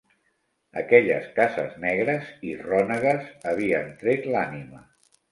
Aquelles cases negres i rònegues havien tret l'ànima